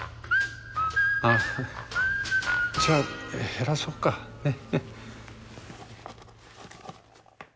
あぁじゃあ減らそっか。ねぇ。